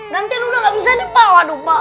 gantian udah gak bisa nih pak